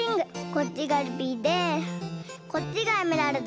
こっちがルビーでこっちがエメラルド。